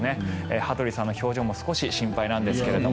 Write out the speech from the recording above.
羽鳥さんの表情も少し心配なんですけども。